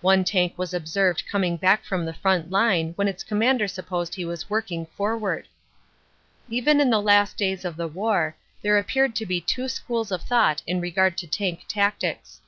One tank was observed coming back from the front line when its commander supposed he was working forward. Even in the last days of the war, there appeared to be two schools of thought in regard to tank tactics.